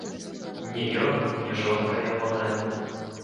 Ні ён, ні жонка ягоная.